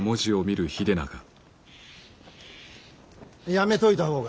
やめといた方が。